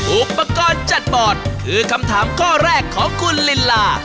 อุปกรณ์จัดบอร์ดคือคำถามข้อแรกของคุณลินลา